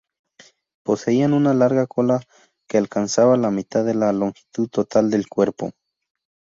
Poseían una larga cola que alcanzaba la mitad de la longitud total del cuerpo.